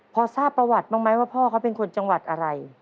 พอทราบประวัติบ้างไหมว่าพ่อเขาเป็นคนจังหวัดอะไร